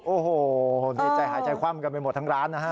โอ้โหมีใจหายใจคว่ำกันไปหมดทั้งร้านนะฮะ